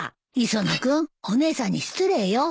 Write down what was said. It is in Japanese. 磯野君お姉さんに失礼よ。